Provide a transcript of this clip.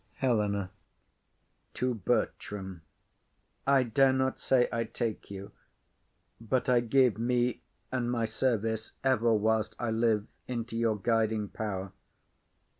HELENA. [To Bertram.] I dare not say I take you, but I give Me and my service, ever whilst I live, Into your guiding power.